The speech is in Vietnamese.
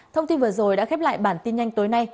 thông tin vừa rồi đã khép lại bản tin nhanh tối nay